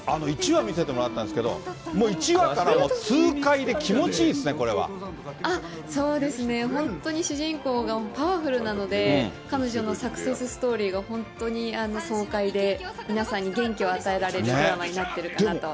１話見せてもらったんですけれども、もう１話から痛快で気持ちいいですね、そうですね、本当に主人公がパワフルなので、彼女のサクセスストーリーが、本当に爽快で、皆さんに元気を与えられるテーマになってるかなと。